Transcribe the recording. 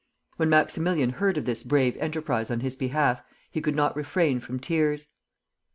When Maximilian heard of this brave enterprise on his behalf, he could not refrain from tears.